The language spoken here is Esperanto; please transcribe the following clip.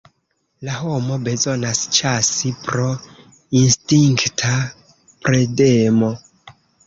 La homo bezonas ĉasi pro instinkta predemo.